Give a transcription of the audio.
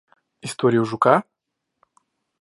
Историю жука?